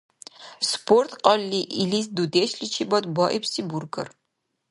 Спорт кьалли илис дудешличибад баибси бургар?